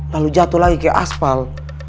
lalu jatuh lagi ke aspal